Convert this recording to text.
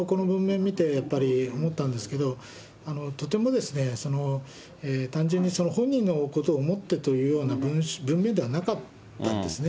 私はこの文面見て、やっぱり思ったんですけど、とても単純に本人のことを思ってというような文面ではなかったんですね。